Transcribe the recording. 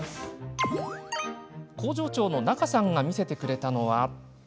工場長の中さんが見せてくれたのは。